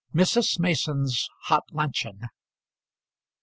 MRS. MASON'S HOT LUNCHEON.